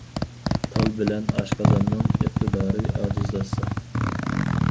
تال بىلەن ئاشقازاننىڭ ئىقتىدارى ئاجىزلاشسا.